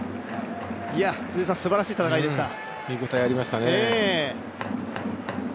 辻さん、すばらしい戦いでした。